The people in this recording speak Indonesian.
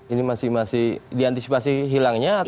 ini masih masih diantisipasi hilangnya atau